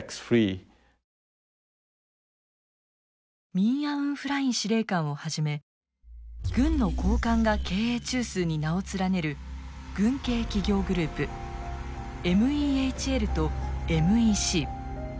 ミン・アウン・フライン司令官をはじめ軍の高官が経営中枢に名を連ねる軍系企業グループＭＥＨＬとＭＥＣ。